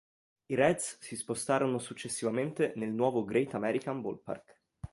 I Reds si spostarono successivamente nel nuovo Great American Ball Park.